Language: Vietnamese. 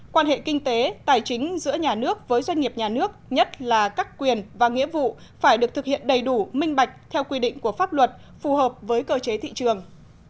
quan hệ kinh tế tài chính giữa nhà nước với doanh nghiệp nhà nước nhất là các quyền và nghĩa vụ phải được thực hiện đầy đủ minh bạch theo quy định của pháp luật phù hợp với cơ chế thị trường